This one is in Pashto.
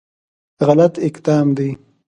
غلط اقدام دی.